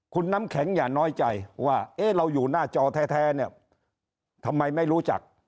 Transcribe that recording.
คุณน้ำแข็งอย่าน้อยใจว่าเอ๊ะเราอยู่หน้าจอแท้เนี่ยทำไมไม่รู้จัก